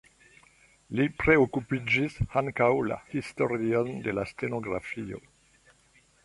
Li priokupiĝis ankaŭ la historion de la stenografio.